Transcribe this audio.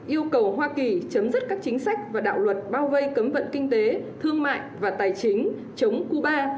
yêu cầu hoa kỳ chấm dứt các chính sách và đạo luật bao vây cấm vận kinh tế thương mại và tài chính chống cuba